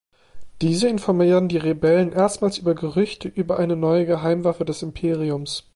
Diese informieren die Rebellen erstmals über Gerüchte über eine neue Geheimwaffe des Imperiums.